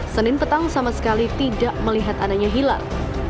senin petang sama sekali tidak melihat adanya hilal